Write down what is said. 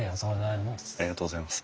ありがとうございます。